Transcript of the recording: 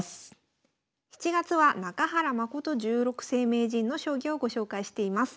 ７月は中原誠十六世名人の将棋をご紹介しています。